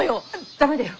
駄目だよ。